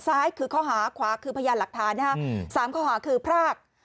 ซ้ายคือข้อหาขวาคือพยานหลักฐานนะฮะ๓ข้อหาคือพราก